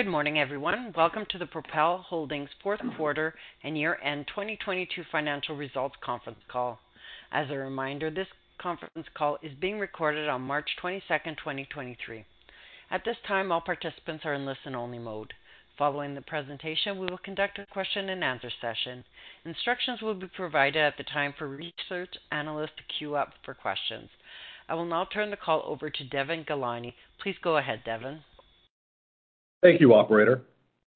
Good morning, everyone. Welcome to the Propel Holdings 4th quarter and year-end 2022 financial results conference call. As a reminder, this conference call is being recorded on March 22, 2023. At this time, all participants are in listen-only mode. Following the presentation, we will conduct a question and answer session. Instructions will be provided at the time for research analysts to queue up for questions. I will now turn the call over to Devon Ghelani. Please go ahead, Devon. Thank you, operator.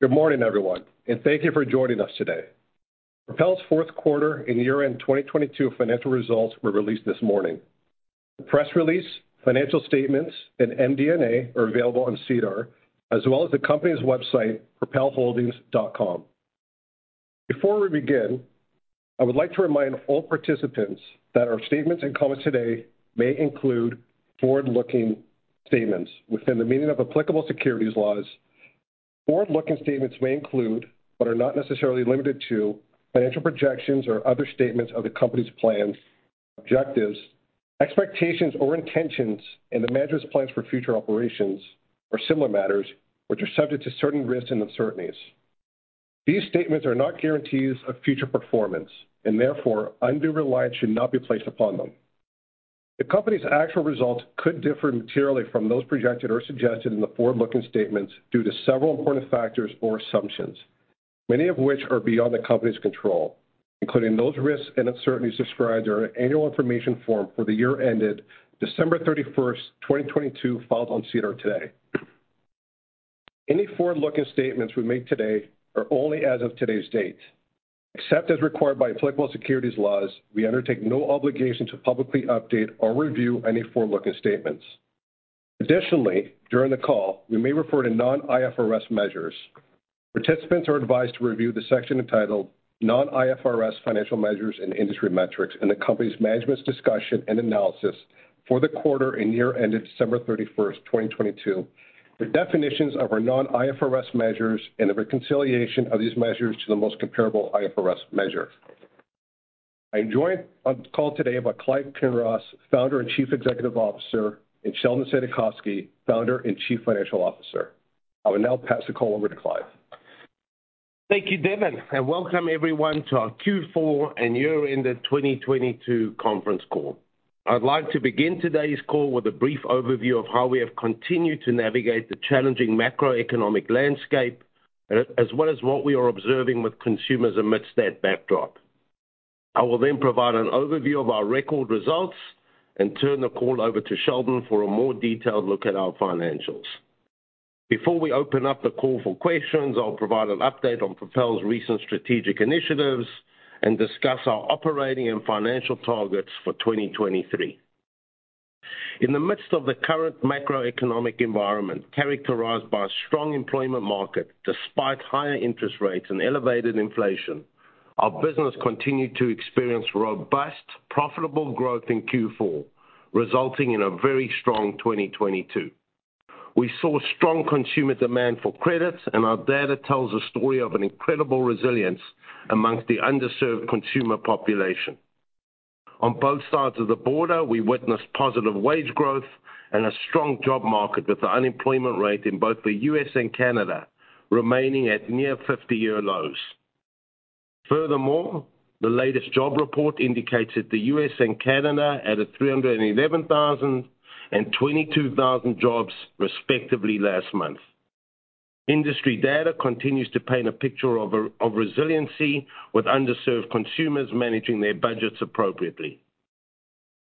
Good morning, everyone, and thank you for joining us today. Propel's fourth quarter and year-end 2022 financial results were released this morning. The press release, financial statements, and MD&A are available on SEDAR, as well as the company's website, propelholdings.com. Before we begin, I would like to remind all participants that our statements and comments today may include forward-looking statements within the meaning of applicable securities laws. Forward-looking statements may include, but are not necessarily limited to financial projections or other statements of the company's plans, objectives, expectations or intentions, and the manager's plans for future operations or similar matters, which are subject to certain risks and uncertainties. These statements are not guarantees of future performance and therefore undue reliance should not be placed upon them. The company's actual results could differ materially from those projected or suggested in the forward-looking statements due to several important factors or assumptions, many of which are beyond the company's control, including those risks and uncertainties described during our annual information form for the year ended December 31st, 2022, filed on SEDAR today. Any forward-looking statements we make today are only as of today's date. Except as required by applicable securities laws, we undertake no obligation to publicly update or review any forward-looking statements. Additionally, during the call, we may refer to non-IFRS measures. Participants are advised to review the section entitled Non-IFRS Financial Measures and Industry Metrics in the company's management's discussion and analysis for the quarter and year ended December 31st, 2022, the definitions of our non-IFRS measures, and the reconciliation of these measures to the most comparable IFRS measure. I am joined on call today by Clive Kinross, founder and Chief Executive Officer, and Sheldon Saidakovsky, founder and Chief Financial Officer. I will now pass the call over to Clive. Thank you, Devin, welcome everyone to our Q4 and year-ended 2022 conference call. I'd like to begin today's call with a brief overview of how we have continued to navigate the challenging macroeconomic landscape as well as what we are observing with consumers amidst that backdrop. I will provide an overview of our record results and turn the call over to Sheldon for a more detailed look at our financials. Before we open up the call for questions, I'll provide an update on Propel's recent strategic initiatives and discuss our operating and financial targets for 2023. In the midst of the current macroeconomic environment, characterized by a strong employment market despite higher interest rates and elevated inflation, our business continued to experience robust, profitable growth in Q4, resulting in a very strong 2022. We saw strong consumer demand for credit, our data tells a story of an incredible resilience amongst the underserved consumer population. On both sides of the border, we witnessed positive wage growth and a strong job market with the unemployment rate in both the U.S. and Canada remaining at near 50-year lows. Furthermore, the latest job report indicates that the U.S. and Canada added 311,000 and 22,000 jobs, respectively, last month. Industry data continues to paint a picture of resiliency with underserved consumers managing their budgets appropriately.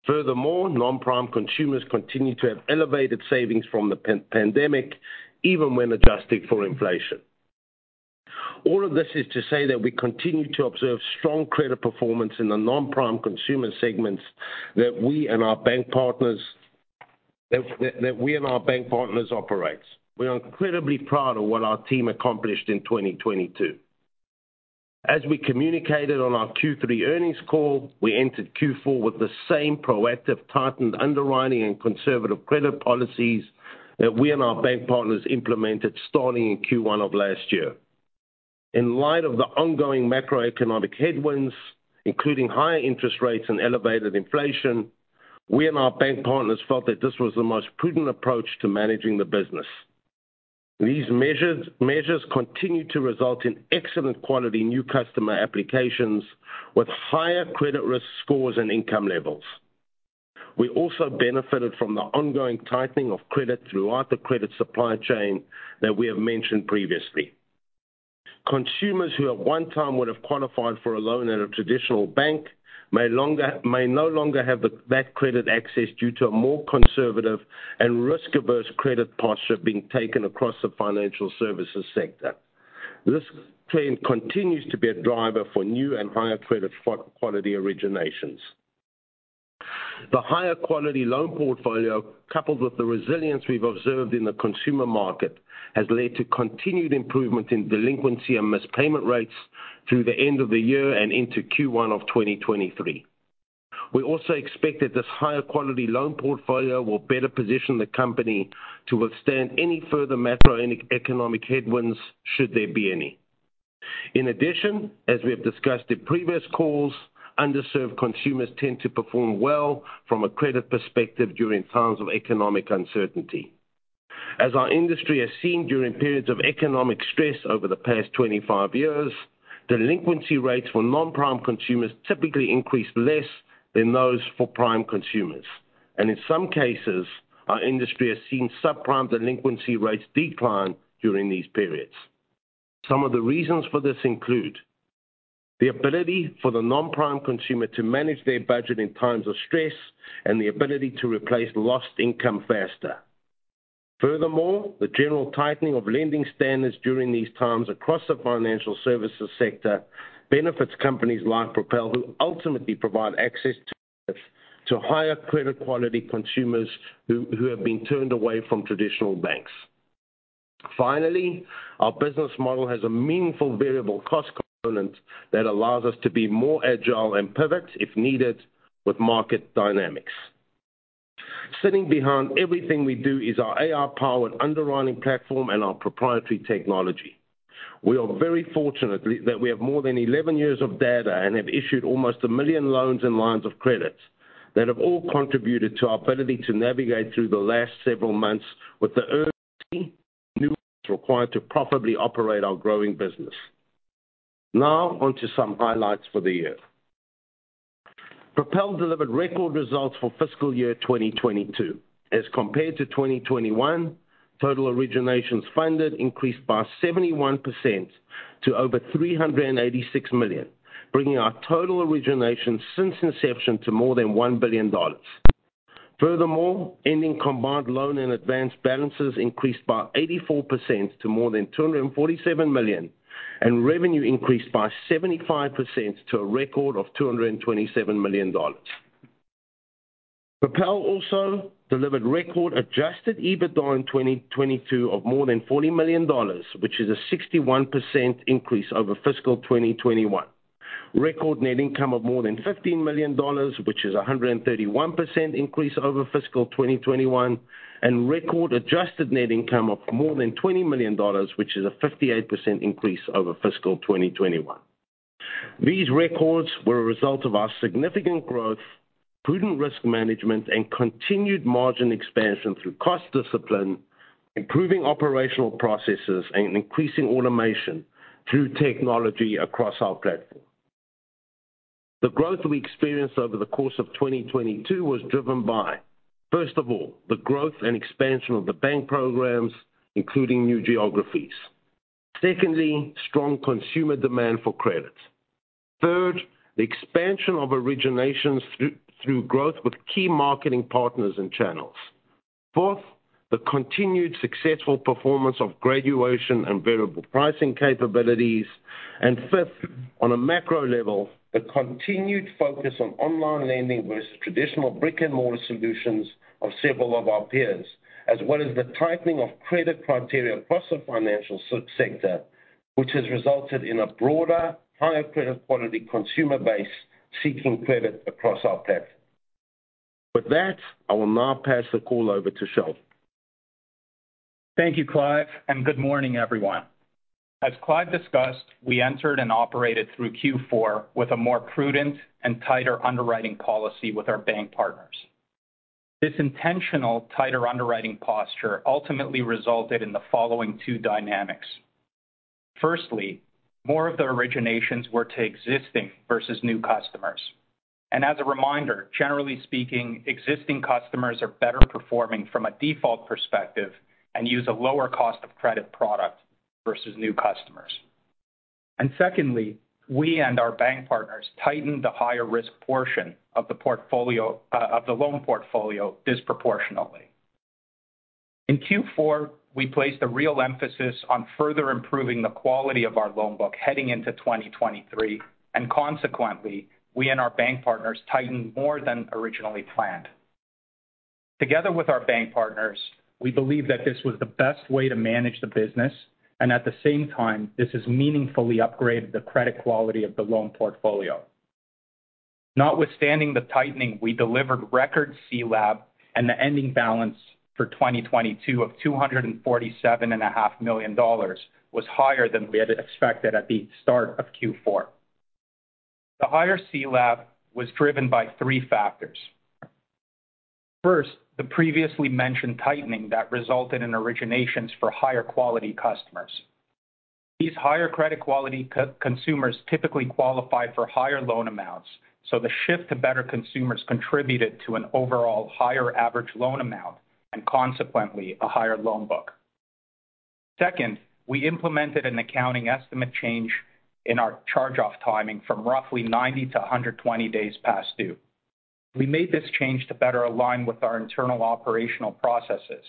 Furthermore, non-prime consumers continue to have elevated savings from the pandemic, even when adjusted for inflation. All of this is to say that we continue to observe strong credit performance in the non-prime consumer segments that we and our bank partners operates. We are incredibly proud of what our team accomplished in 2022. As we communicated on our Q3 earnings call, we entered Q4 with the same proactive, tightened underwriting and conservative credit policies that we and our bank partners implemented starting in Q1 of last year. In light of the ongoing macroeconomic headwinds, including higher interest rates and elevated inflation, we and our bank partners felt that this was the most prudent approach to managing the business. These measures continue to result in excellent quality new customer applications with higher credit risk scores and income levels. We also benefited from the ongoing tightening of credit throughout the credit supply chain that we have mentioned previously. Consumers who at one time would have qualified for a loan at a traditional bank may no longer have that credit access due to a more conservative and risk-averse credit posture being taken across the financial services sector. This trend continues to be a driver for new and higher credit quality originations. The higher quality loan portfolio, coupled with the resilience we've observed in the consumer market, has led to continued improvement in delinquency and missed payment rates through the end of the year and into Q1 of 2023. We also expect that this higher quality loan portfolio will better position the company to withstand any further macroeconomic headwinds, should there be any. In addition, as we have discussed in previous calls, underserved consumers tend to perform well from a credit perspective during times of economic uncertainty. As our industry has seen during periods of economic stress over the past 25 years, delinquency rates for non-prime consumers typically increase less than those for prime consumers. In some cases, our industry has seen subprime delinquency rates decline during these periods. Some of the reasons for this include the ability for the non-prime consumer to manage their budget in times of stress and the ability to replace lost income faster. Furthermore, the general tightening of lending standards during these times across the financial services sector benefits companies like Propel, who ultimately provide access to credit to higher credit quality consumers who have been turned away from traditional banks. Finally, our business model has a meaningful variable cost component that allows us to be more agile and pivot if needed with market dynamics. Sitting behind everything we do is our AI-powered underwriting platform and our proprietary technology. We are very fortunate that we have more than 11 years of data and have issued almost 1 million loans and lines of credit that have all contributed to our ability to navigate through the last several months with the urgency required to properly operate our growing business. Onto some highlights for the year. Propel delivered record results for fiscal year 2022. As compared to 2021, total originations funded increased by 71% to over $386 million, bringing our total originations since inception to more than $1 billion. Ending combined loan and advanced balances increased by 84% to more than $247 million, and revenue increased by 75% to a record of $227 million. Propel also delivered record adjusted EBITDA in 2022 of more than $40 million, which is a 61% increase over fiscal 2021. Record net income of more than $15 million, which is a 131% increase over fiscal 2021, and record adjusted net income of more than $20 million, which is a 58% increase over fiscal 2021. These records were a result of our significant growth, prudent risk management, and continued margin expansion through cost discipline, improving operational processes, and increasing automation through technology across our platform. The growth we experienced over the course of 2022 was driven by, first of all, the growth and expansion of the bank programs, including new geographies. Secondly, strong consumer demand for credit. Third, the expansion of originations through growth with key marketing partners and channels. Fourth, the continued successful performance of graduation and variable pricing capabilities. Fifth, on a macro level, the continued focus on online lending versus traditional brick-and-mortar solutions of several of our peers, as well as the tightening of credit criteria across the financial subsector, which has resulted in a broader, higher credit quality consumer base seeking credit across our platform. With that, I will now pass the call over to Shel. Thank you, Clive. Good morning, everyone. As Clive discussed, we entered and operated through Q4 with a more prudent and tighter underwriting policy with our bank partners. This intentional tighter underwriting posture ultimately resulted in the following two dynamics. Firstly, more of the originations were to existing versus new customers. As a reminder, generally speaking, existing customers are better performing from a default perspective and use a lower cost of credit product versus new customers. Secondly, we and our bank partners tightened the higher-risk portion of the portfolio of the loan portfolio disproportionately. In Q4, we placed a real emphasis on further improving the quality of our loan book heading into 2023, and consequently, we and our bank partners tightened more than originally planned. Together with our bank partners, we believe that this was the best way to manage the business, and at the same time, this has meaningfully upgraded the credit quality of the loan portfolio. Notwithstanding the tightening, we delivered record CLAB and the ending balance for 2022 of $247.5 million Was higher than we had expected at the start of Q4. The higher CLAB was driven by three factors. First, the previously mentioned tightening that resulted in originations for higher quality customers. These higher credit quality consumers typically qualify for higher loan amounts, so the shift to better consumers contributed to an overall higher average loan amount and consequently, a higher loan book. Second, we implemented an accounting estimate change in our charge-off timing from roughly 90 to 120 days past due. We made this change to better align with our internal operational processes,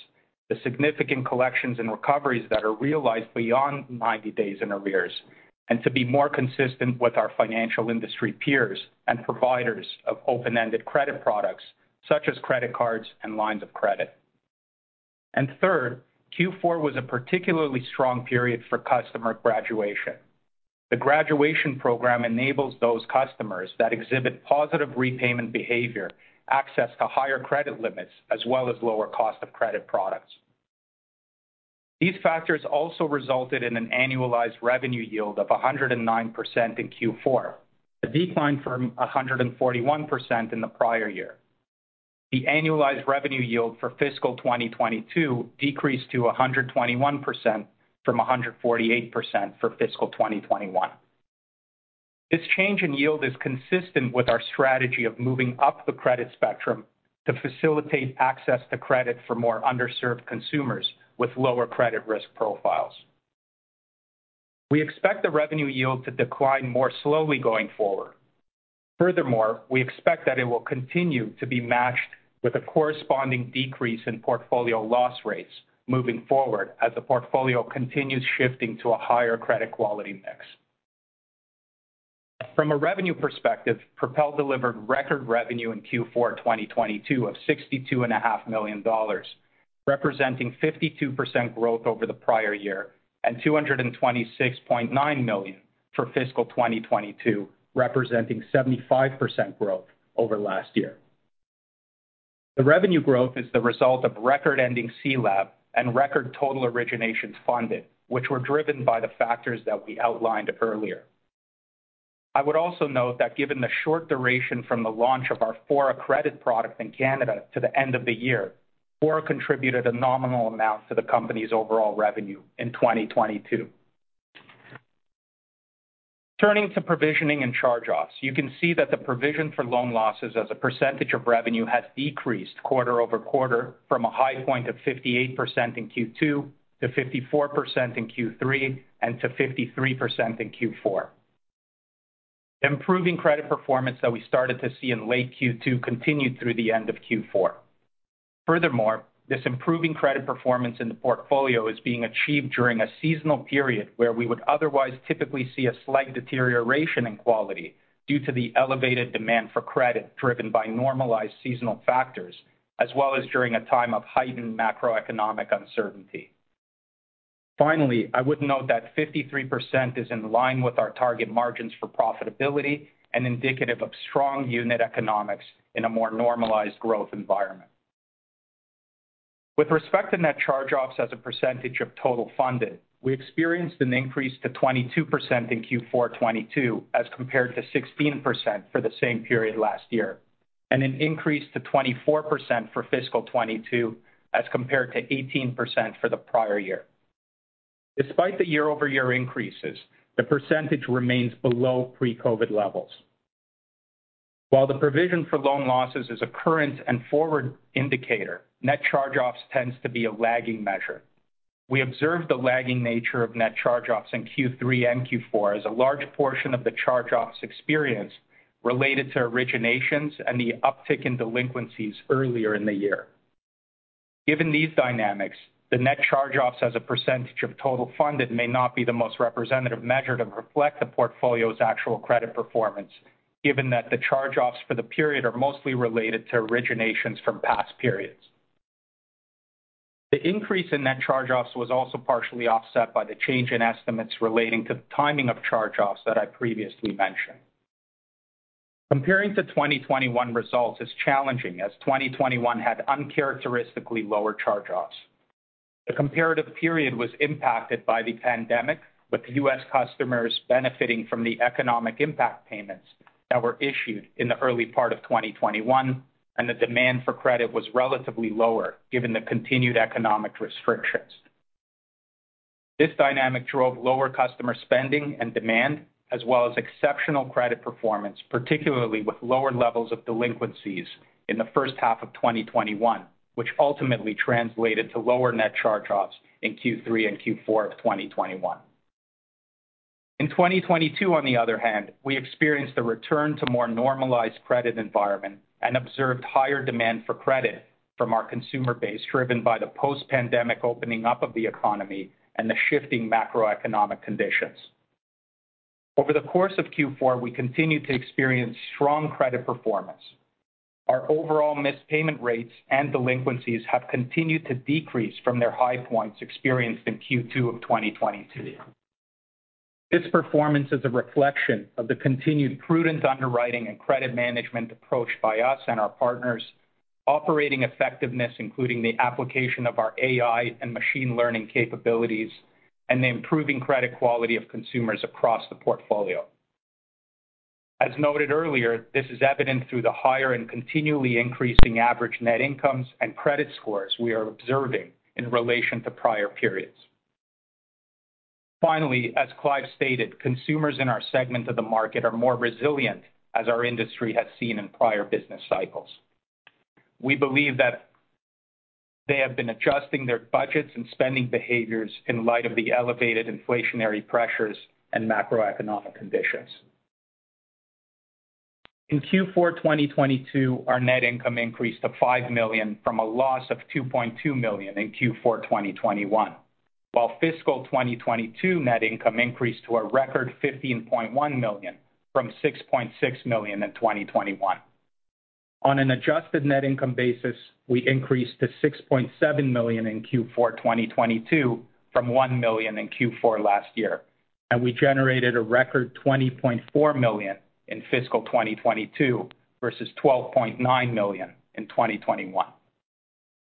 the significant collections and recoveries that are realized beyond 90 days in arrears, and to be more consistent with our financial industry peers and providers of open-ended credit products such as credit cards and lines of credit. Third, Q4 was a particularly strong period for customer graduation. The graduation program enables those customers that exhibit positive repayment behavior access to higher credit limits as well as lower cost of credit products. These factors also resulted in an annualized revenue yield of 109% in Q4, a decline from 141% in the prior year. The annualized revenue yield for fiscal 2022 decreased to 121% from 148% for fiscal 2021. This change in yield is consistent with our strategy of moving up the credit spectrum to facilitate access to credit for more underserved consumers with lower credit risk profiles. We expect the revenue yield to decline more slowly going forward. We expect that it will continue to be matched with a corresponding decrease in portfolio loss rates moving forward as the portfolio continues shifting to a higher credit quality mix. From a revenue perspective, Propel delivered record revenue in Q4 2022 of $62.5 million, representing 52% growth over the prior year, and $226.9 million for fiscal 2022, representing 75% growth over last year. The revenue growth is the result of record-ending CLAB and record total originations funded, which were driven by the factors that we outlined earlier. I would also note that given the short duration from the launch of our Fora Credit product in Canada to the end of the year, Fora contributed a nominal amount to the company's overall revenue in 2022. Turning to provisioning and charge-offs, you can see that the provision for loan losses as a percentage of revenue has decreased quarter-over-quarter from a high point of 58% in Q2 to 54% in Q3, and to 53% in Q4. This improving credit performance in the portfolio is being achieved during a seasonal period where we would otherwise typically see a slight deterioration in quality due to the elevated demand for credit driven by normalized seasonal factors as well as during a time of heightened macroeconomic uncertainty. Finally, I would note that 53% is in line with our target margins for profitability and indicative of strong unit economics in a more normalized growth environment. With respect to net charge-offs as a percentage of total funded, we experienced an increase to 22% in Q4 2022 as compared to 16% for the same period last year, and an increase to 24% for fiscal 2022 as compared to 18% for the prior year. Despite the year-over-year increases, the percentage remains below pre-COVID levels. While the provision for loan losses is a current and forward indicator, net charge-offs tends to be a lagging measure. We observed the lagging nature of net charge-offs in Q3 and Q4 as a large portion of the charge-offs experience related to originations and the uptick in delinquencies earlier in the year. Given these dynamics, the net charge-offs as a percentage of total funded may not be the most representative measure to reflect the portfolio's actual credit performance, given that the charge-offs for the period are mostly related to originations from past periods. The increase in net charge-offs was also partially offset by the change in estimates relating to the timing of charge-offs that I previously mentioned. Comparing to 2021 results is challenging as 2021 had uncharacteristically lower charge-offs. The comparative period was impacted by the pandemic, with U.S. customers benefiting from the economic impact payments that were issued in the early part of 2021, and the demand for credit was relatively lower given the continued economic restrictions. This dynamic drove lower customer spending and demand, as well as exceptional credit performance, particularly with lower levels of delinquencies in the first half of 2021, which ultimately translated to lower net charge-offs in Q3 and Q4 of 2021. In 2022, on the other hand, we experienced a return to more normalized credit environment and observed higher demand for credit from our consumer base, driven by the post-pandemic opening up of the economy and the shifting macroeconomic conditions. Over the course of Q4, we continued to experience strong credit performance. Our overall missed payment rates and delinquencies have continued to decrease from their high points experienced in Q2 of 2022. This performance is a reflection of the continued prudent underwriting and credit management approach by us and our partners, operating effectiveness, including the application of our AI and machine learning capabilities, and the improving credit quality of consumers across the portfolio. As noted earlier, this is evident through the higher and continually increasing average net incomes and credit scores we are observing in relation to prior periods. Finally, as Clive stated, consumers in our segment of the market are more resilient as our industry has seen in prior business cycles. We believe that they have been adjusting their budgets and spending behaviors in light of the elevated inflationary pressures and macroeconomic conditions. In Q4 2022, our net income increased to $5 million from a loss of $2.2 million in Q4 2021. While fiscal 2022 net income increased to a record $15.1 million from $6.6 million in 2021. On an adjusted net income basis, we increased to $6.7 million in Q4 2022 from $1 million in Q4 last year. We generated a record $20.4 million in fiscal 2022 versus $12.9 million in 2021.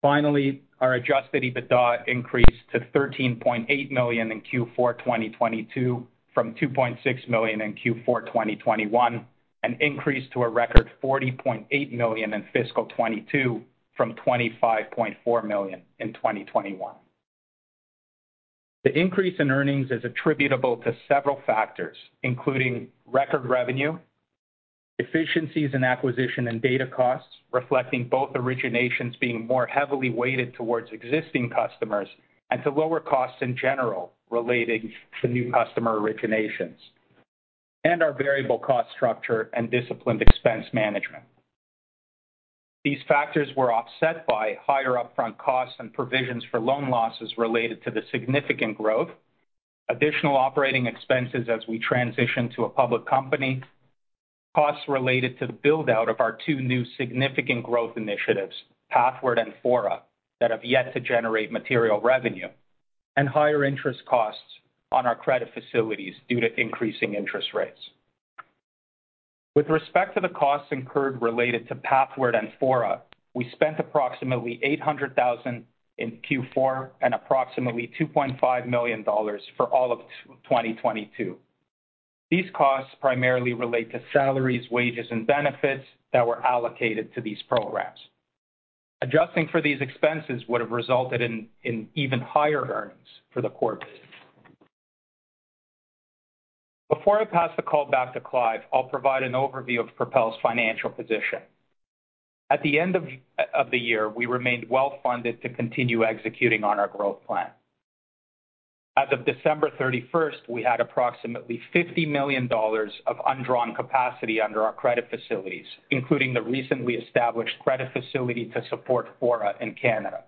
Finally, our adjusted EBITDA increased to $13.8 million in Q4, 2022 from $2.6 million in Q4, 2021, an increase to a record $40.8 million in fiscal 2022 from $25.4 million in 2021. The increase in earnings is attributable to several factors, including record revenue, efficiencies in acquisition and data costs, reflecting both originations being more heavily weighted towards existing customers, and to lower costs in general relating to new customer originations, and our variable cost structure and disciplined expense management. These factors were offset by higher upfront costs and provisions for loan losses related to the significant growth, additional operating expenses as we transition to a public company, costs related to the build-out of our two new significant growth initiatives, Pathward and Fora, that have yet to generate material revenue, and higher interest costs on our credit facilities due to increasing interest rates. With respect to the costs incurred related to Pathward and Fora, we spent approximately $800,000 in Q4 and approximately $2.5 million for all of 2022. These costs primarily relate to salaries, wages, and benefits that were allocated to these programs. Adjusting for these expenses would have resulted in even higher earnings for the quarter. Before I pass the call back to Clive, I'll provide an overview of Propel's financial position. At the end of the year, we remained well funded to continue executing on our growth plan. As of December 31st, we had approximately $50 million of undrawn capacity under our credit facilities, including the recently established credit facility to support Fora in Canada.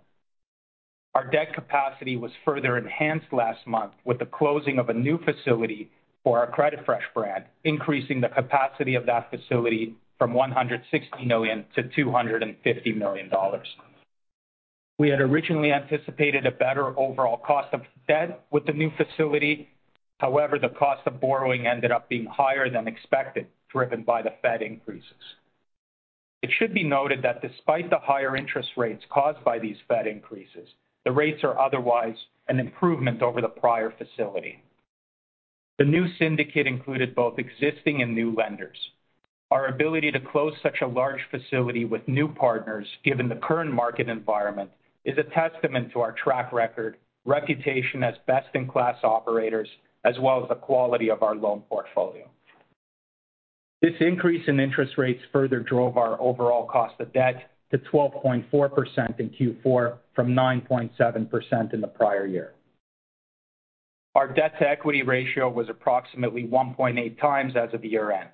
Our debt capacity was further enhanced last month with the closing of a new facility for our CreditFresh brand, increasing the capacity of that facility from $160 million to $250 million. We had originally anticipated a better overall cost of debt with the new facility. However, the cost of borrowing ended up being higher than expected, driven by the Fed increases. It should be noted that despite the higher interest rates caused by these Fed increases, the rates are otherwise an improvement over the prior facility. The new syndicate included both existing and new lenders. Our ability to close such a large facility with new partners, given the current market environment, is a testament to our track record, reputation as best-in-class operators, as well as the quality of our loan portfolio. This increase in interest rates further drove our overall cost of debt to 12.4% in Q4 from 9.7% in the prior year. Our debt-to-equity ratio was approximately 1.8x as of year-end.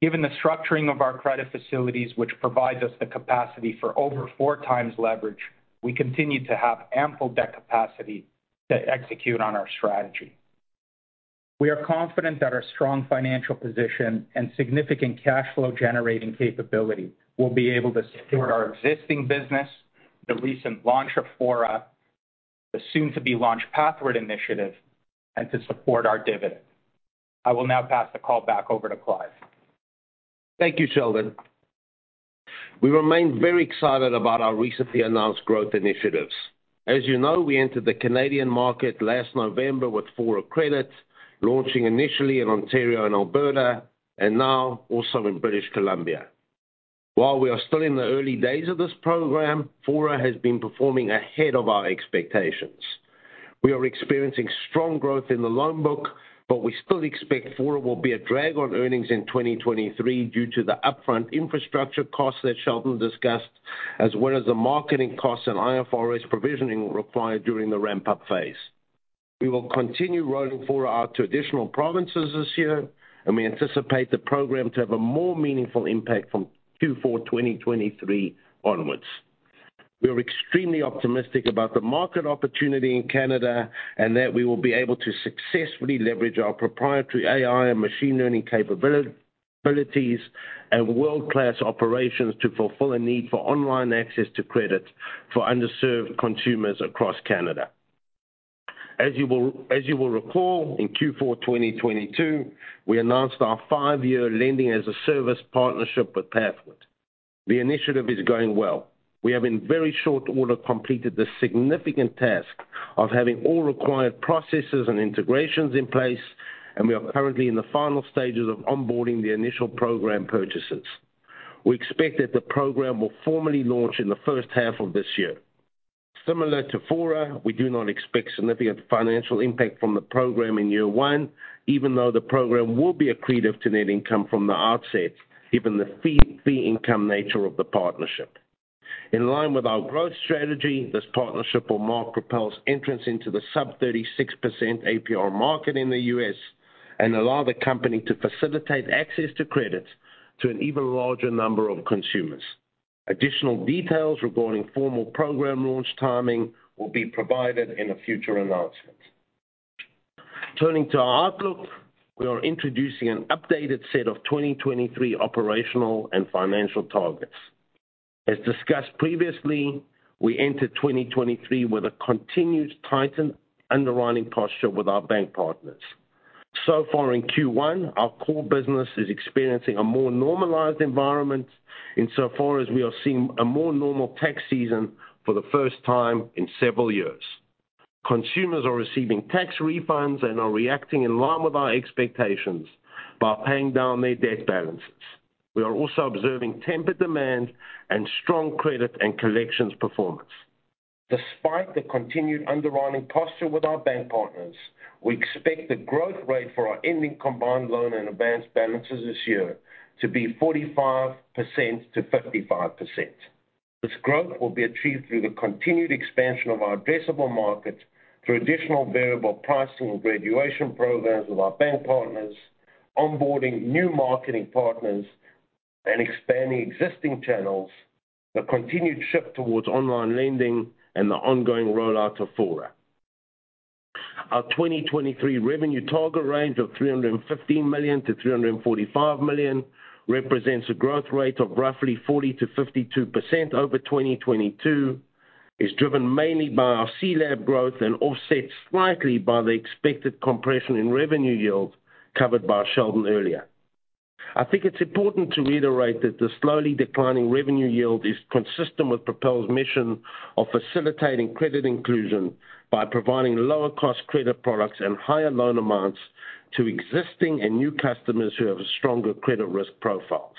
Given the structuring of our credit facilities, which provides us the capacity for over 4x leverage, we continue to have ample debt capacity to execute on our strategy. We are confident that our strong financial position and significant cash flow generating capability will be able to support our existing business, the recent launch of Fora, the soon-to-be-launched Pathward initiative, and to support our dividend. I will now pass the call back over to Clive. Thank you, Sheldon. We remain very excited about our recently announced growth initiatives. As you know, we entered the Canadian market last November with Fora Credit, launching initially in Ontario and Alberta, and now also in British Columbia. While we are still in the early days of this program, Fora has been performing ahead of our expectations. We are experiencing strong growth in the loan book, but we still expect Fora will be a drag on earnings in 2023 due to the upfront infrastructure costs that Sheldon discussed, as well as the marketing costs and IFRS provisioning required during the ramp-up phase. We will continue rolling Fora out to additional provinces this year, and we anticipate the program to have a more meaningful impact from Q4 2023 onwards. We are extremely optimistic about the market opportunity in Canada and that we will be able to successfully leverage our proprietary AI and machine learning capabilities and world-class operations to fulfill a need for online access to credit for underserved consumers across Canada. As you will recall, in Q4 2022, we announced our 5-year lending as a service partnership with Pathward. The initiative is going well. We have in very short order completed the significant task of having all required processes and integrations in place, and we are currently in the final stages of onboarding the initial program purchases. We expect that the program will formally launch in the first half of this year. Similar to Fora, we do not expect significant financial impact from the program in year one, even though the program will be accretive to net income from the outset, given the fee income nature of the partnership. In line with our growth strategy, this partnership will mark Propel's entrance into the sub 36% APR market in the US and allow the company to facilitate access to credit to an even larger number of consumers. Additional details regarding formal program launch timing will be provided in a future announcement. Turning to our outlook, we are introducing an updated set of 2023 operational and financial targets. As discussed previously, we entered 2023 with a continued tightened underwriting posture with our bank partners. So far in Q1, our core business is experiencing a more normalized environment insofar as we are seeing a more normal tax season for the first time in several years. Consumers are receiving tax refunds and are reacting in line with our expectations by paying down their debt balances. We are also observing tempered demand and strong credit and collections performance. Despite the continued underwriting posture with our bank partners, we expect the growth rate for our ending combined loan and advanced balances this year to be 45%-55%. This growth will be achieved through the continued expansion of our addressable market through additional variable pricing and graduation programs with our bank partners, onboarding new marketing partners, and expanding existing channels, the continued shift towards online lending, and the ongoing rollout of Fora. Our 2023 revenue target range of $315 million-$345 million represents a growth rate of roughly 40%-52% over 2022, is driven mainly by our CLAB growth and offsets slightly by the expected compression in revenue yield covered by Sheldon earlier. I think it's important to reiterate that the slowly declining revenue yield is consistent with Propel's mission of facilitating credit inclusion by providing lower cost credit products and higher loan amounts to existing and new customers who have stronger credit risk profiles.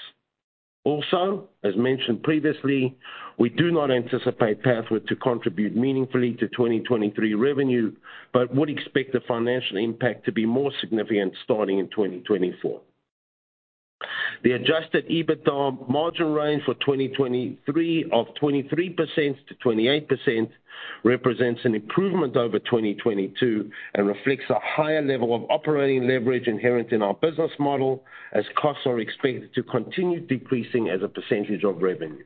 As mentioned previously, we do not anticipate Pathward to contribute meaningfully to 2023 revenue, but would expect the financial impact to be more significant starting in 2024. The adjusted EBITDA margin range for 2023 of 23%-28% represents an improvement over 2022 and reflects a higher level of operating leverage inherent in our business model as costs are expected to continue decreasing as a percentage of revenue.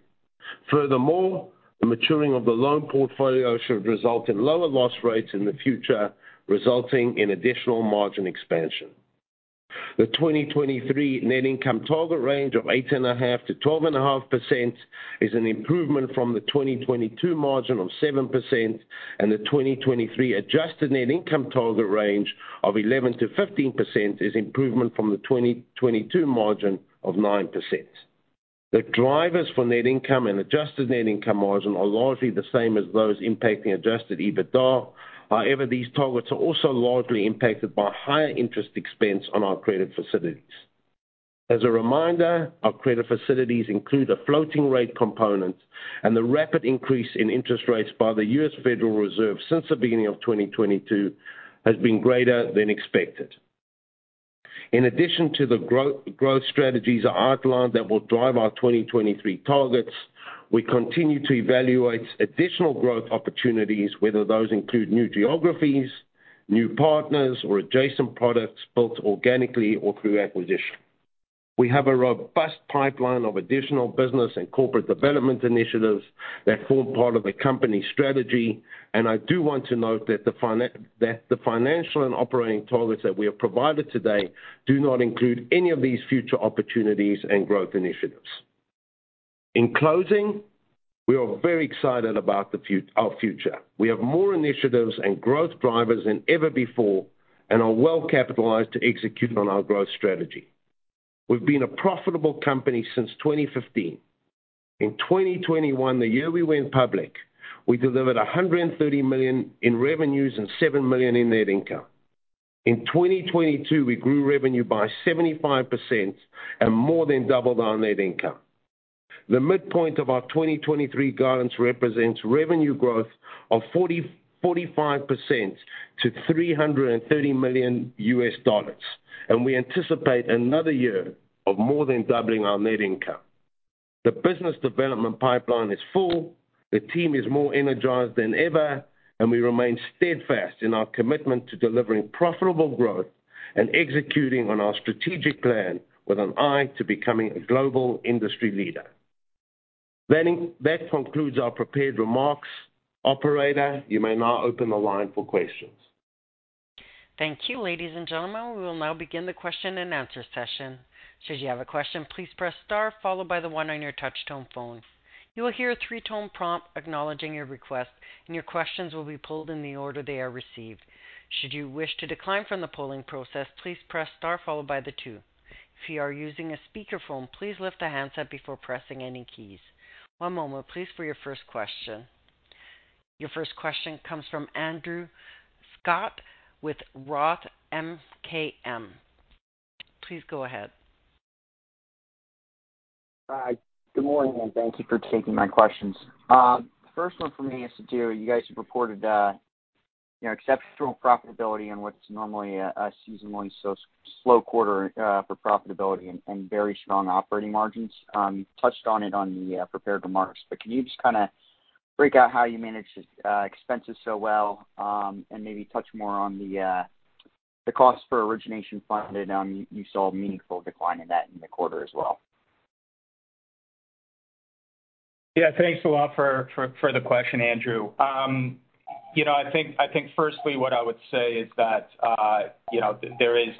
Furthermore, the maturing of the loan portfolio should result in lower loss rates in the future, resulting in additional margin expansion. The 2023 net income target range of 8.5%-12.5% is an improvement from the 2022 margin of 7%, and the 2023 adjusted net income target range of 11%-15% is improvement from the 2022 margin of 9%. The drivers for net income and adjusted net income margin are largely the same as those impacting adjusted EBITDA. However, these targets are also largely impacted by higher interest expense on our credit facilities. As a reminder, our credit facilities include a floating rate component. The rapid increase in interest rates by the US Federal Reserve since the beginning of 2022 has been greater than expected. In addition to the growth strategies outlined that will drive our 2023 targets, we continue to evaluate additional growth opportunities, whether those include new geographies, new partners or adjacent products built organically or through acquisition. We have a robust pipeline of additional business and corporate development initiatives that form part of the company strategy. I do want to note that the financial and operating targets that we have provided today do not include any of these future opportunities and growth initiatives. In closing, we are very excited about our future. We have more initiatives and growth drivers than ever before and are well capitalized to execute on our growth strategy. We've been a profitable company since 2015. In 2021, the year we went public, we delivered $130 million in revenues and $7 million in net income. In 2022, we grew revenue by 75% and more than doubled our net income. The midpoint of our 2023 guidance represents revenue growth of 40%-45% to $330 million, and we anticipate another year of more than doubling our net income. The business development pipeline is full. The team is more energized than ever, and we remain steadfast in our commitment to delivering profitable growth and executing on our strategic plan with an eye to becoming a global industry leader. That concludes our prepared remarks. Operator, you may now open the line for questions. Thank you. Ladies and gentlemen, we will now begin the question-and-answer session. Should you have a question, please press star followed by the one on your touch-tone phone. You will hear a three-tone prompt acknowledging your request, and your questions will be pulled in the order they are received. Should you wish to decline from the polling process, please press star followed by the two. If you are using a speakerphone, please lift the handset before pressing any keys. One moment please for your first question. Your first question comes from Andrew Scutt with Roth MKM. Please go ahead. Hi. Good morning. Thank you for taking my questions. First one for me has to do, you guys have reported, you know, exceptional profitability in what's normally a seasonally so slow quarter, for profitability and very strong operating margins. You've touched on it on the prepared remarks, but can you just kinda break out how you managed expenses so well, and maybe touch more on the cost for origination funded? You saw a meaningful decline in that in the quarter as well. Yeah, thanks a lot for the question, Andrew. You know, I think firstly what I would say is that, you know, there is.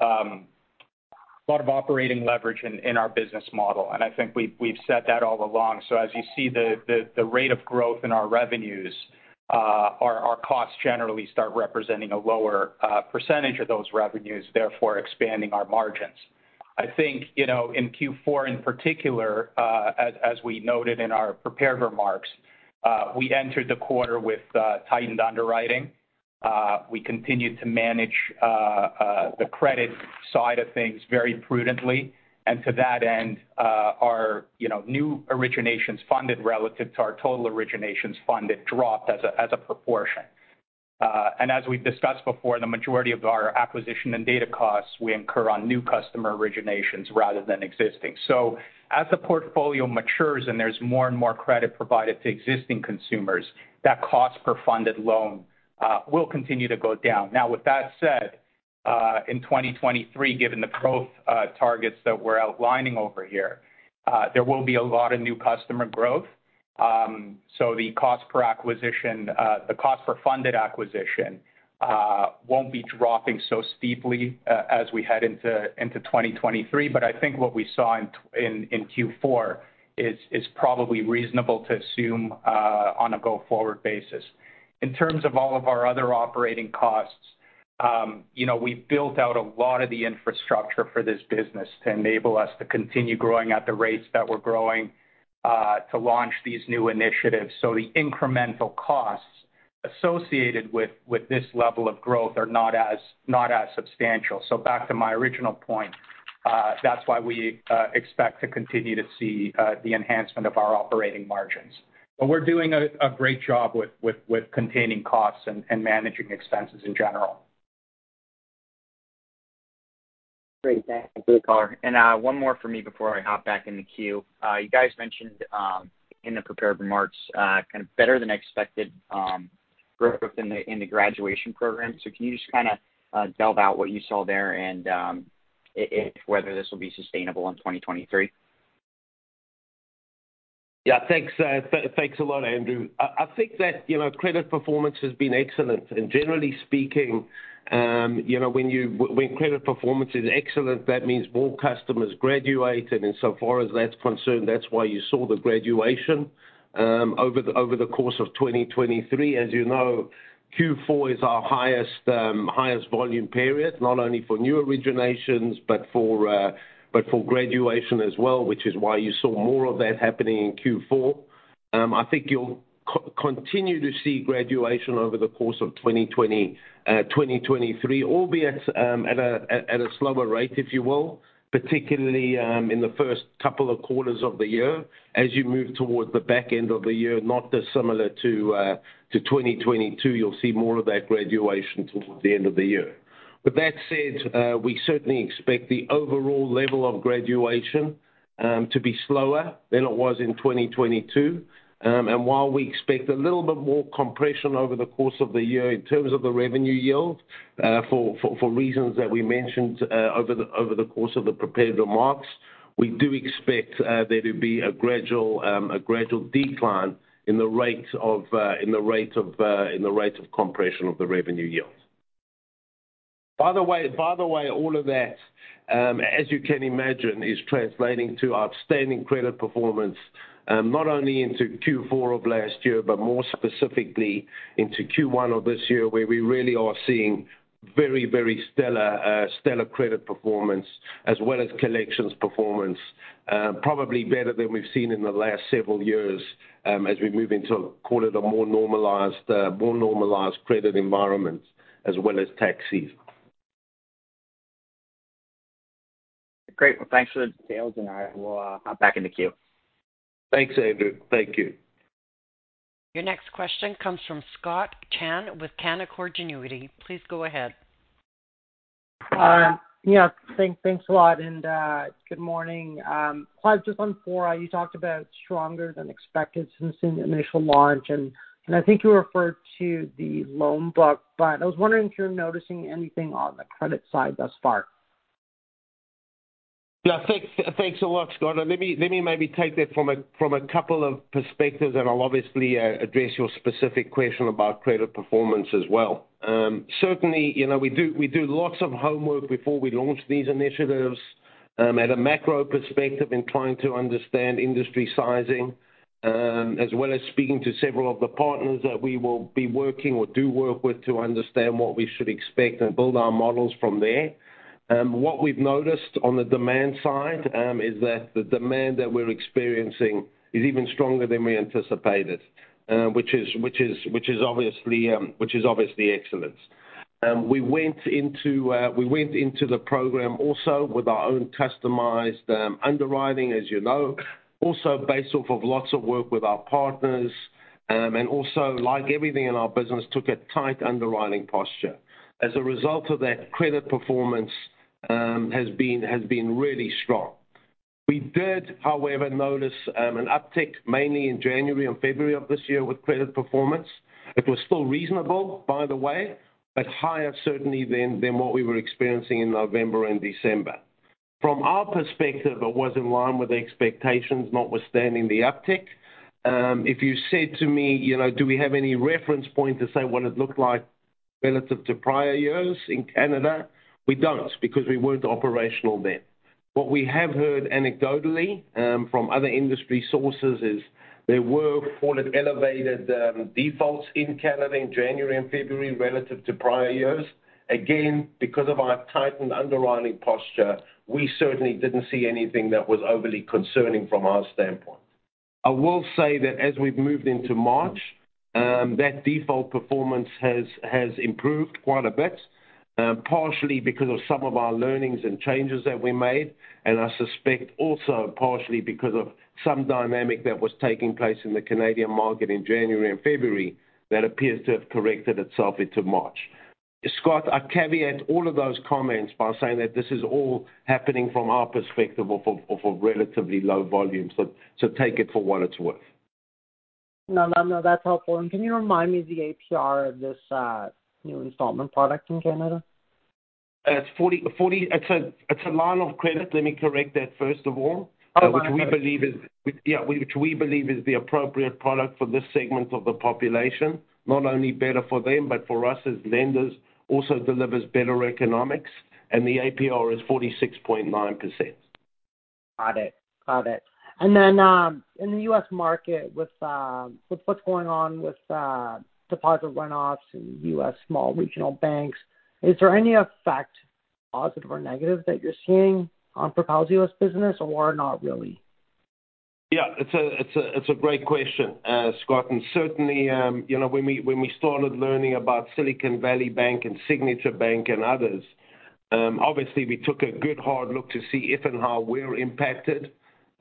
A lot of operating leverage in our business model. I think we've said that all along. As you see the rate of growth in our revenues, our costs generally start representing a lower percentage of those revenues, therefore expanding our margins. I think, you know, in Q4, in particular, as we noted in our prepared remarks, we entered the quarter with tightened underwriting. We continued to manage the credit side of things very prudently. To that end, our, you know, new originations funded relative to our total originations funded dropped as a proportion. As we've discussed before, the majority of our acquisition and data costs we incur on new customer originations rather than existing. As the portfolio matures and there's more and more credit provided to existing consumers, that cost per funded loan will continue to go down. Now, with that said, in 2023, given the growth targets that we're outlining over here, there will be a lot of new customer growth. The cost per acquisition, the cost per funded acquisition, won't be dropping so steeply as we head into 2023, but I think what we saw in Q4 is probably reasonable to assume on a go-forward basis. In terms of all of our other operating costs, you know, we've built out a lot of the infrastructure for this business to enable us to continue growing at the rates that we're growing, to launch these new initiatives. The incremental costs associated with this level of growth are not as substantial. Back to my original point, that's why we expect to continue to see the enhancement of our operating margins. We're doing a great job with containing costs and managing expenses in general. Great. Thank you. One more for me before I hop back in the queue. You guys mentioned in the prepared remarks kind of better than expected growth in the graduation program. Can you just kind of delve out what you saw there, and if whether this will be sustainable in 2023? Yeah, thanks. Thanks a lot, Andrew. I think that, you know, credit performance has been excellent. Generally speaking, you know, when credit performance is excellent, that means more customers graduate. Insofar as that's concerned, that's why you saw the graduation over the course of 2023. As you know, Q4 is our highest volume period, not only for new originations, but for graduation as well, which is why you saw more of that happening in Q4. I think you'll continue to see graduation over the course of 2023, albeit, at a slower rate, if you will, particularly in the first couple of quarters of the year. As you move towards the back end of the year, not dissimilar to 2022, you'll see more of that graduation towards the end of the year. With that said, we certainly expect the overall level of graduation to be slower than it was in 2022. While we expect a little bit more compression over the course of the year in terms of the revenue yield, for reasons that we mentioned over the course of the prepared remarks, we do expect there to be a gradual, a gradual decline in the rate of compression of the revenue yield. By the way, all of that, as you can imagine, is translating to outstanding credit performance, not only into Q4 of last year, but more specifically into Q1 of this year, where we really are seeing very stellar credit performance as well as collections performance. Probably better than we've seen in the last several years, as we move into call it a more normalized, more normalized credit environment as well as tax season. Great. Well, thanks for the details. I will hop back in the queue. Thanks, Andrew. Thank you. Your next question comes from Matthew Lee with Canaccord Genuity. Please go ahead. Yeah, thanks a lot, and good morning. Clive, just on 4, you talked about stronger than expected since the initial launch, and I think you referred to the loan book. I was wondering if you're noticing anything on the credit side thus far. Yeah, thanks. Thanks a lot. Let me maybe take that from a couple of perspectives, and I'll obviously address your specific question about credit performance as well. Certainly, you know, we do lots of homework before we launch these initiatives, at a macro perspective in trying to understand industry sizing, as well as speaking to several of the partners that we will be working or do work with to understand what we should expect and build our models from there. What we've noticed on the demand side, is that the demand that we're experiencing is even stronger than we anticipated, which is obviously excellent. We went into the program also with our own customized underwriting, as you know, also based off of lots of work with our partners. Also, like everything in our business, took a tight underwriting posture. As a result of that credit performance, has been really strong. We did, however, notice an uptick mainly in January and February of this year with credit performance. It was still reasonable, by the way, but higher certainly than what we were experiencing in November and December. From our perspective, it was in line with the expectations, notwithstanding the uptick. If you said to me, you know, do we have any reference point to say what it looked like, relative to prior years in Canada, we don't because we weren't operational then. What we have heard anecdotally from other industry sources is there were call it elevated defaults in Canada in January and February relative to prior years. Because of our tightened underwriting posture, we certainly didn't see anything that was overly concerning from our standpoint. I will say that as we've moved into March, that default performance has improved quite a bit, partially because of some of our learnings and changes that we made, and I suspect also partially because of some dynamic that was taking place in the Canadian market in January and February that appears to have corrected itself into March. Scott, I caveat all of those comments by saying that this is all happening from our perspective of a relatively low volume. Take it for what it's worth. No, no. That's helpful. Can you remind me the APR of this new installment product in Canada? It's 40. It's a line of credit, let me correct that first of all. Oh, line of credit. Which we believe is the appropriate product for this segment of the population. Not only better for them, but for us as lenders, also delivers better economics. The APR is 46.9%. Got it. Got it. In the U.S. market, with what's going on with, deposit runoffs in U.S. small regional banks, is there any effect, positive or negative, that you're seeing on Propel's business or not really? Yeah, it's a great question, Scott. Certainly, you know, when we started learning about Silicon Valley Bank and Signature Bank and others, obviously, we took a good hard look to see if and how we're impacted,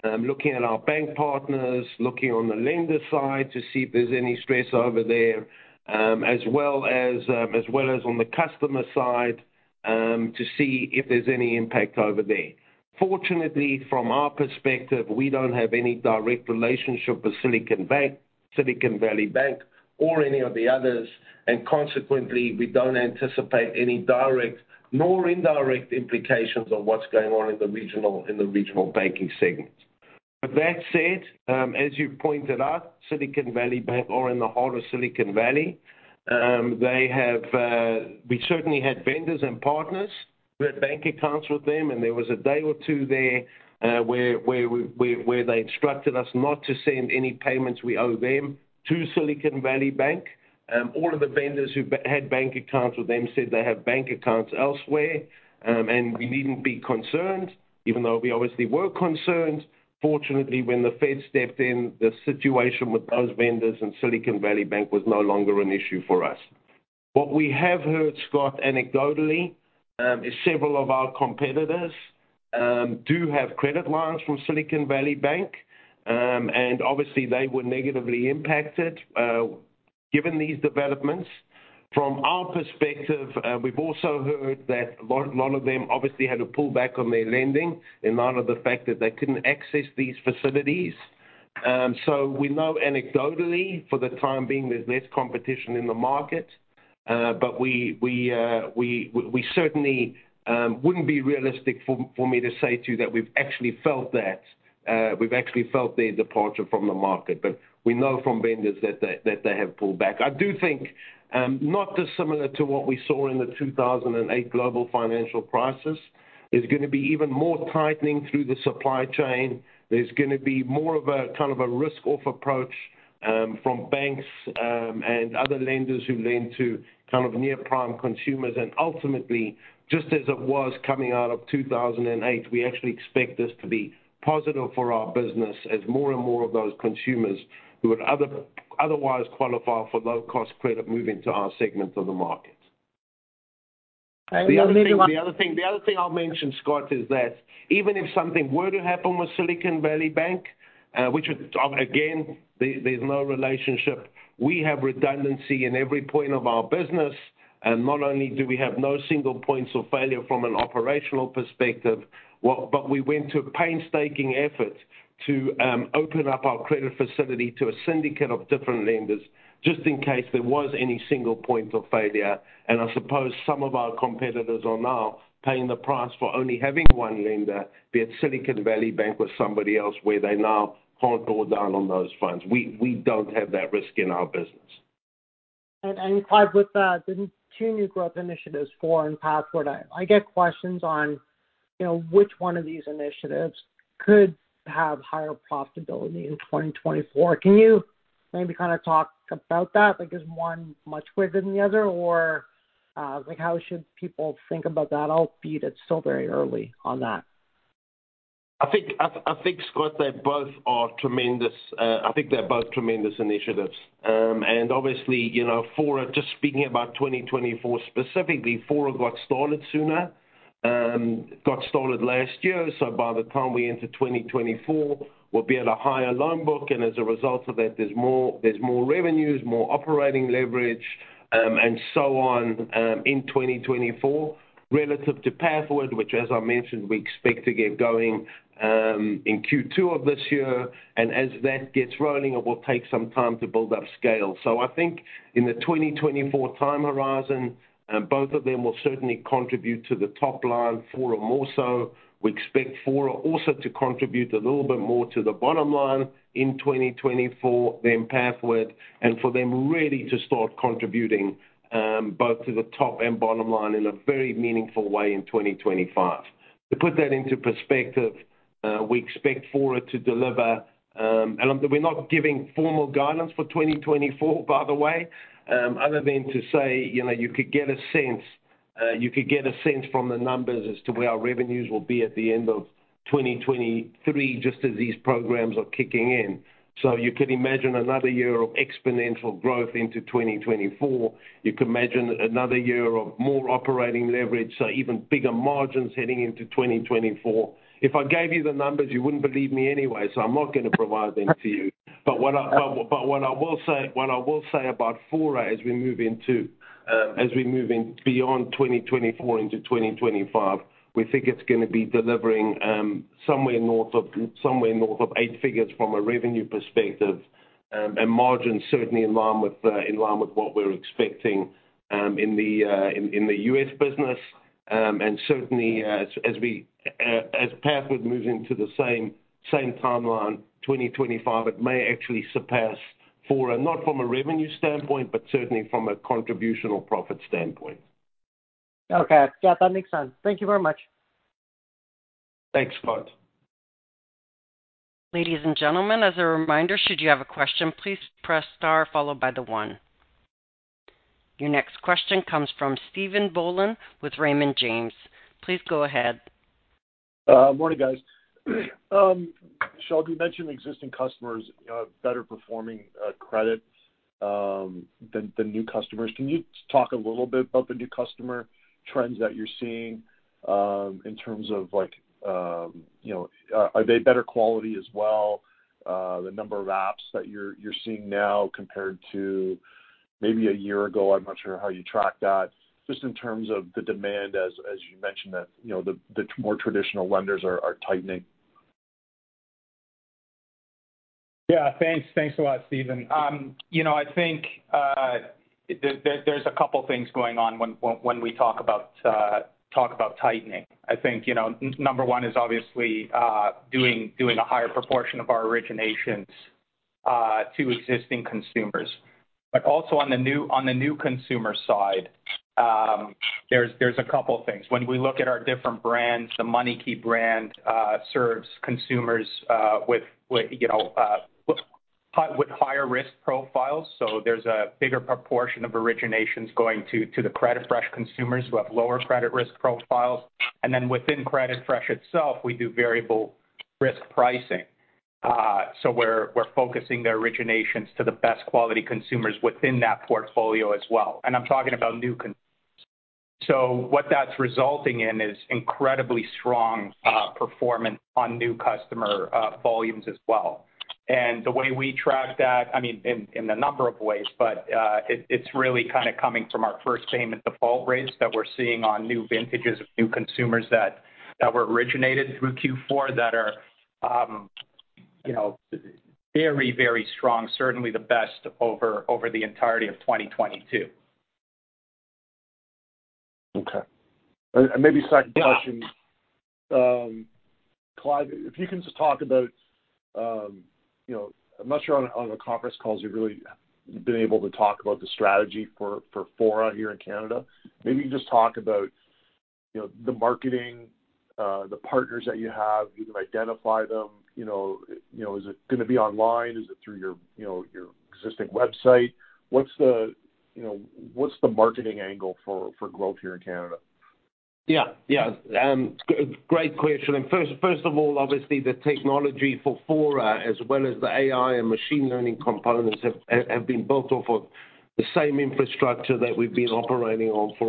looking at our bank partners, looking on the lender side to see if there's any stress over there, as well as on the customer side, to see if there's any impact over there. Fortunately, from our perspective, we don't have any direct relationship with Silicon Valley Bank or any of the others. Consequently, we don't anticipate any direct nor indirect implications of what's going on in the regional banking segment. That said, as you pointed out, Silicon Valley Bank are in the heart of Silicon Valley. We certainly had vendors and partners who had bank accounts with them, and there was a day or two there where they instructed us not to send any payments we owe them to Silicon Valley Bank. All of the vendors who had bank accounts with them said they have bank accounts elsewhere, and we needn't be concerned, even though we obviously were concerned. Fortunately, when the Fed stepped in, the situation with those vendors and Silicon Valley Bank was no longer an issue for us. What we have heard, Scott, anecdotally, is several of our competitors do have credit lines from Silicon Valley Bank, and obviously, they were negatively impacted given these developments. From our perspective, we've also heard that lot of them obviously had to pull back on their lending in light of the fact that they couldn't access these facilities. We know anecdotally for the time being there's less competition in the market. But we certainly wouldn't be realistic for me to say to you that we've actually felt that we've actually felt their departure from the market. We know from vendors that they have pulled back. I do think, not dissimilar to what we saw in the 2008 global financial crisis, there's gonna be even more tightening through the supply chain. There's gonna be more of a kind of a risk-off approach from banks and other lenders who lend to kind of near-prime consumers. Ultimately, just as it was coming out of 2008, we actually expect this to be positive for our business as more and more of those consumers who would otherwise qualify for low-cost credit move into our segment of the market. another one. The other thing, the other thing, the other thing I'll mention, Scott, is that even if something were to happen with Silicon Valley Bank. Again, there's no relationship. We have redundancy in every point of our business. Not only do we have no single points of failure from an operational perspective, but we went to a painstaking effort to open up our credit facility to a syndicate of different lenders just in case there was any single point of failure. I suppose some of our competitors are now paying the price for only having one lender, be it Silicon Valley Bank or somebody else, where they now can't draw down on those funds. We don't have that risk in our business. Clive, with the two new growth initiatives, Fora and Pathward, I get questions on, you know, which one of these initiatives could have higher profitability in 2024. Can you maybe kinda talk about that? Like, is one much quicker than the other? Or, like, how should people think about that, albeit it's still very early on that? I think, Scott, they both are tremendous. I think they're both tremendous initiatives. Obviously, you know, Fora, just speaking about 2024 specifically, Fora got started sooner, got started last year. By the time we enter 2024, we'll be at a higher loan book, and as a result of that, there's more revenues, more operating leverage, and so on, in 2024 relative to Pathward, which as I mentioned, we expect to get going in Q2 of this year. As that gets rolling, it will take some time to build up scale. I think in the 2024 time horizon, both of them will certainly contribute to the top line, Fora more so. We expect Fora also to contribute a little bit more to the bottom line in 2024 than Pathward, and for them really to start contributing, both to the top and bottom line in a very meaningful way in 2025. To put that into perspective, we expect Fora to deliver... We're not giving formal guidance for 2024, by the way, other than to say, you know, you could get a sense from the numbers as to where our revenues will be at the end of 2023, just as these programs are kicking in. You can imagine another year of exponential growth into 2024. You can imagine another year of more operating leverage, so even bigger margins heading into 2024. If I gave you the numbers, you wouldn't believe me anyway, so I'm not gonna provide them to you. What I will say about Fora as we move in beyond 2024 into 2025, we think it's gonna be delivering somewhere north of 8 figures from a revenue perspective, and margin certainly in line with what we're expecting in the U.S. business. Certainly as we as Pathward moves into the same timeline, 2025, it may actually surpass Fora, not from a revenue standpoint, but certainly from a contribution or profit standpoint. Okay. Yeah, that makes sense. Thank you very much. Thanks, Scott. Ladies and gentlemen, as a reminder, should you have a question, please press star followed by the one. Your next question comes from Stephen Boland with Raymond James. Please go ahead. Morning, guys. Shel, you mentioned existing customers, better performing credit than new customers. Can you talk a little bit about the new customer trends that you're seeing, in terms of like, you know, are they better quality as well? The number of apps that you're seeing now compared to maybe a year ago. I'm not sure how you track that. Just in terms of the demand as you mentioned that, you know, the more traditional lenders are tightening. Yeah. Thanks. Thanks a lot, Stephen. you know, I think, there's a couple things going on when we talk about tightening. I think, you know, number one is obviously, doing a higher proportion of our originations, to existing consumers. Also on the new consumer side, there's a couple things. When we look at our different brands, the MoneyKey brand, serves consumers, with, you know, with high, with higher risk profiles. There's a bigger proportion of originations going to the CreditFresh consumers who have lower credit risk profiles. Then within CreditFresh itself, we do variable risk pricing. We're focusing the originations to the best quality consumers within that portfolio as well. I'm talking about new consumers. What that's resulting in is incredibly strong performance on new customer volumes as well. The way we track that, I mean, in a number of ways, but it's really kinda coming from our first payment default rates that we're seeing on new vintages of new consumers that were originated through Q4 that are, you know, very, very strong, certainly the best over the entirety of 2022. Okay. Maybe second question? Yeah. Clive, if you can just talk about, you know, I'm not sure on the conference calls you've really been able to talk about the strategy for Fora here in Canada. Maybe just talk about, you know, the marketing, the partners that you have, you can identify them. You know, you know, is it gonna be online? Is it through your, you know, your existing website? What's the, you know, what's the marketing angle for growth here in Canada? Yeah. Yeah. Great question. First of all, obviously the technology for Fora as well as the AI and machine learning components have been built off of the same infrastructure that we've been operating on for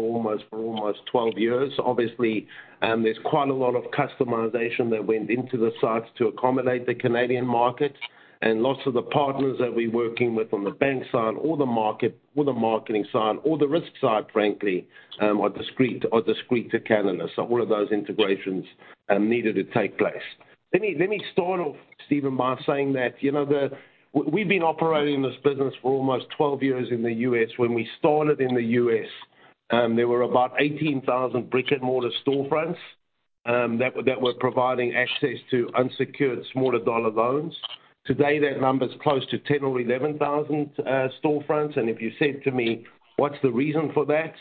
almost 12 years. Obviously, there's quite a lot of customization that went into the sites to accommodate the Canadian market, and lots of the partners that we're working with on the bank side or the market or the marketing side or the risk side, frankly, are discrete to Canada. All of those integrations needed to take place. Let me start off, Stephen, by saying that, you know, We've been operating this business for almost 12 years in the U.S. When we started in the U.S., there were about 18,000 brick-and-mortar storefronts that were providing access to unsecured smaller dollar loans. Today, that number is close to 10,000 or 11,000 storefronts. If you said to me, "What's the reason for that?"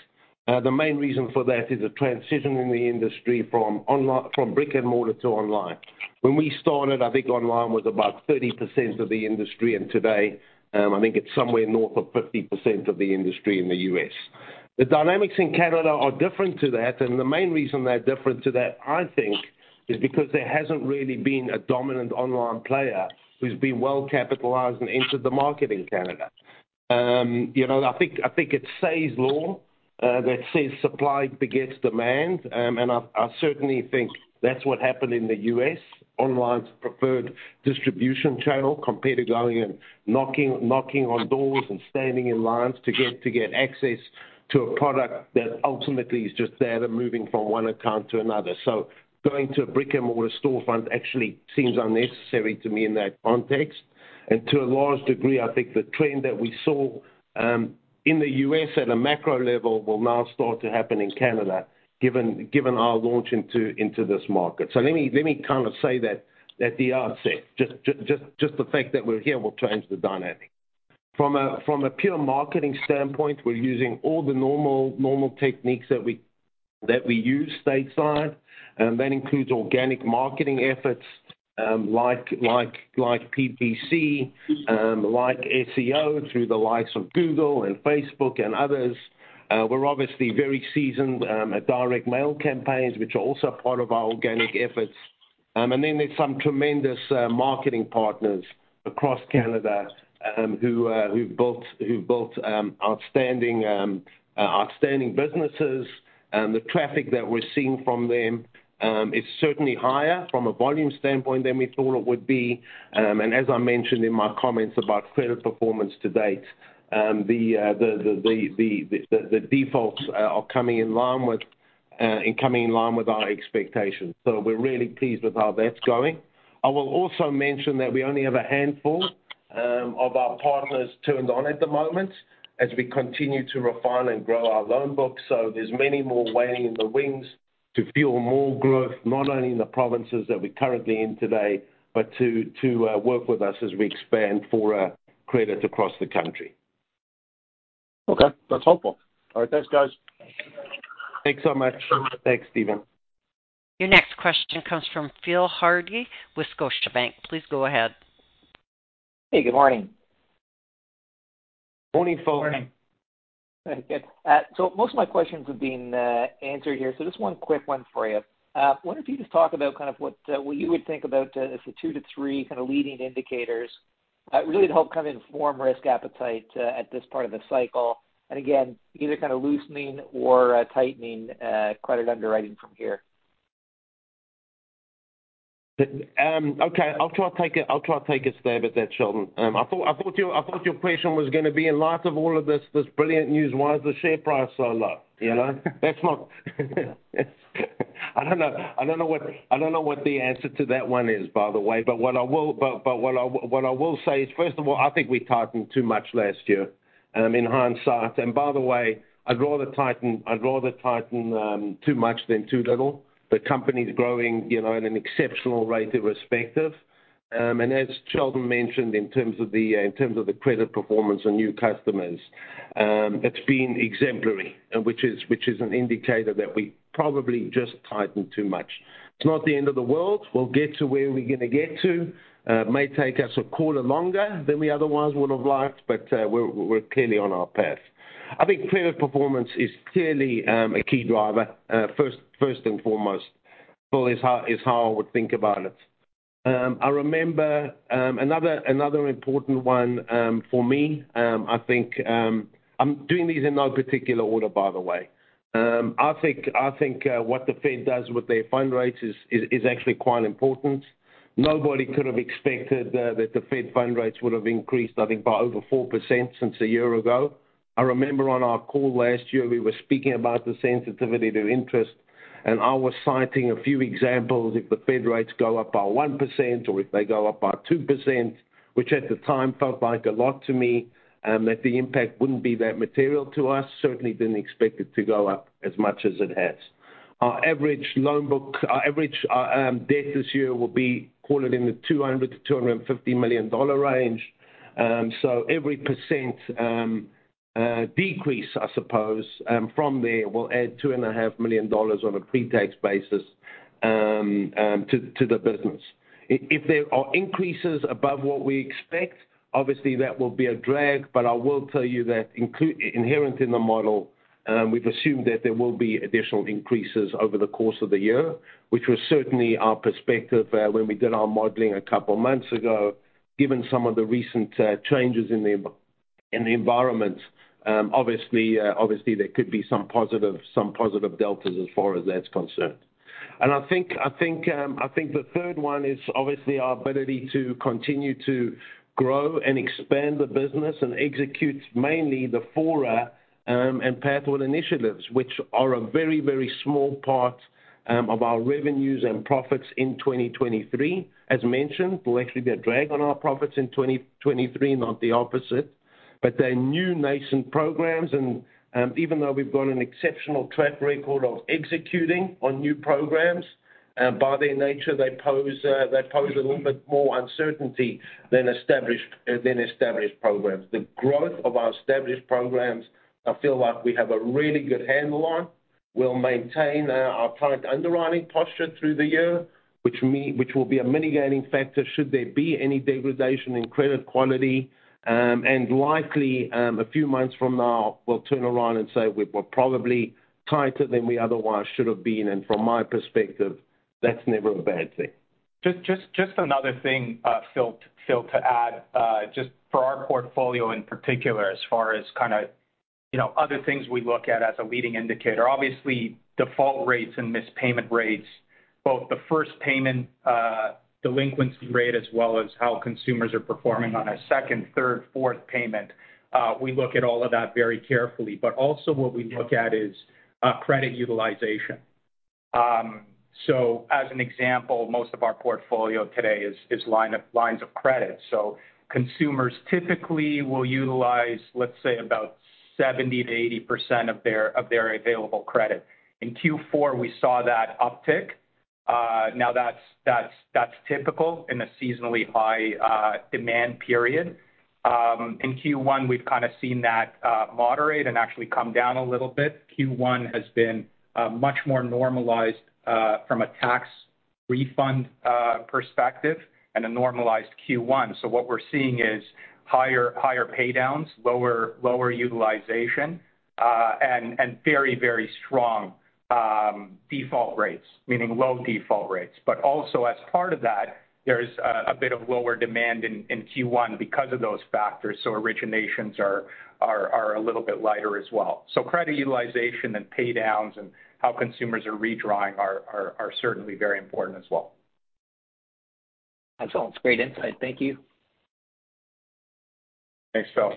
The main reason for that is a transition in the industry from brick-and-mortar to online. When we started, I think online was about 30% of the industry, and today, I think it's somewhere north of 50% of the industry in the U.S. The dynamics in Canada are different to that, and the main reason they're different to that, I think, is because there hasn't really been a dominant online player who's been well-capitalized and entered the market in Canada. You know, I think, I think it's Say's Law that says supply begets demand. I certainly think that's what happened in the U.S. Online's preferred distribution channel compared to going and knocking on doors and standing in lines to get access to a product that ultimately is just there and moving from one account to another. Going to a brick-and-mortar storefront actually seems unnecessary to me in that context. To a large degree, I think the trend that we saw in the U.S. at a macro level will now start to happen in Canada given our launch into this market. Let me kind of say that the outset. Just the fact that we're here will change the dynamic. From a pure marketing standpoint, we're using all the normal techniques That we use stateside, and that includes organic marketing efforts, like PPC, like SEO through the likes of Google and Facebook and others. We're obviously very seasoned at direct mail campaigns, which are also part of our organic efforts. Then there's some tremendous marketing partners across Canada who've built outstanding businesses. The traffic that we're seeing from them is certainly higher from a volume standpoint than we thought it would be. As I mentioned in my comments about credit performance to date, the defaults are coming in line with and coming in line with our expectations. We're really pleased with how that's going. I will also mention that we only have a handful of our partners turned on at the moment as we continue to refine and grow our loan book. There's many more waiting in the wings to fuel more growth, not only in the provinces that we're currently in today, but to work with us as we expand for credit across the country. Okay, that's helpful. All right, thanks, guys. Thanks so much. Thanks, Stephen. Your next question comes from Phil Hardie with Scotiabank. Please go ahead. Hey, good morning. Morning, Phil. Morning. Good. Most of my questions have been answered here, so just one quick one for you. I wonder if you could just talk about kind of what you would think about, the 2 to 3 kind of leading indicators that really help kind of inform risk appetite, at this part of the cycle. Again, either kind of loosening or tightening, credit underwriting from here. Okay. I'll try take a stab at that, Sheldon. I thought your question was gonna be, in light of all of this brilliant news, why is the share price so low, you know? That's not... I don't know. I don't know what the answer to that one is, by the way. What I will say is, first of all, I think we tightened too much last year, in hindsight. By the way, I'd rather tighten too much than too little. The company's growing, you know, at an exceptional rate irrespective. As Sheldon mentioned, in terms of the credit performance on new customers, it's been exemplary, which is an indicator that we probably just tightened too much. It's not the end of the world. We'll get to where we're gonna get to. It may take us a quarter longer than we otherwise would have liked, we're clearly on our path. I think credit performance is clearly a key driver, first and foremost. Well, is how I would think about it. I remember another important one for me. I'm doing these in no particular order, by the way. I think what the Fed does with their fund rates is actually quite important. Nobody could have expected the Fed fund rates would have increased, I think by over 4% since a year ago. I remember on our call last year, we were speaking about the sensitivity to interest. I was citing a few examples. If the Fed rates go up by 1% or if they go up by 2%, which at the time felt like a lot to me, that the impact wouldn't be that material to us. Certainly didn't expect it to go up as much as it has. Our average loan book, our average debt this year will be quartered in the $200 million-$250 million range. Every percentage decrease, I suppose, from there, will add two and a half million dollars on a pre-tax basis to the business. If there are increases above what we expect, obviously that will be a drag, but I will tell you that inherent in the model, we've assumed that there will be additional increases over the course of the year, which was certainly our perspective, when we did our modeling a couple months ago. Given some of the recent changes in the environment, obviously there could be some positive deltas as far as that's concerned. I think the third one is obviously our ability to continue to grow and expand the business and execute mainly the Fora and Pathward initiatives, which are a very small part of our revenues and profits in 2023. As mentioned, they'll actually be a drag on our profits in 2023, not the opposite. They're new nascent programs and, even though we've got an exceptional track record of executing on new programs, by their nature, they pose a little bit more uncertainty than established programs. The growth of our established programs, I feel like we have a really good handle on. We'll maintain our product underwriting posture through the year, which will be a mitigating factor should there be any degradation in credit quality. Likely, a few months from now, we'll turn around and say we're probably tighter than we otherwise should have been. From my perspective, that's never a bad thing. Just another thing, Phil Hardie, to add. Just for our portfolio in particular, as far as kinda, you know, other things we look at as a leading indicator, obviously default rates and missed payment rates, both the first payment delinquency rate as well as how consumers are performing on a second, third, fourth payment. We look at all of that very carefully. Also what we look at is credit utilization. As an example, most of our portfolio today is lines of credit. Consumers typically will utilize, let's say, about 70%-80% of their available credit. In Q4, we saw that uptick. Now that's typical in a seasonally high demand period. In Q1, we've kinda seen that moderate and actually come down a little bit. Q1 has been much more normalized from a tax refund perspective and a normalized Q1. What we're seeing is higher pay downs, lower utilization, and very, very strong default rates, meaning low default rates. But also as part of that, there's a bit of lower demand in Q1 because of those factors, so originations are a little bit lighter as well. Credit utilization and pay downs and how consumers are redrawing are certainly very important as well. That's all. It's great insight. Thank you. Thanks, Phil.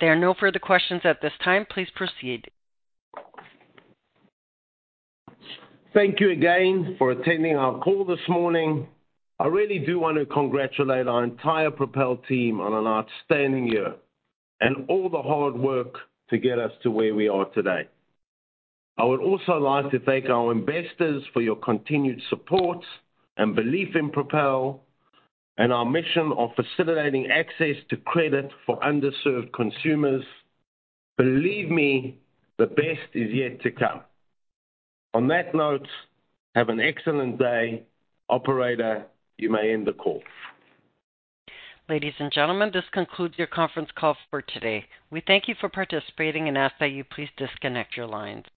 There are no further questions at this time. Please proceed. Thank you again for attending our call this morning. I really do want to congratulate our entire Propel team on an outstanding year and all the hard work to get us to where we are today. I would also like to thank our investors for your continued support and belief in Propel, and our mission of facilitating access to credit for underserved consumers. Believe me, the best is yet to come. On that note, have an excellent day. Operator, you may end the call. Ladies and gentlemen, this concludes your conference call for today. We thank you for participating and ask that you please disconnect your lines.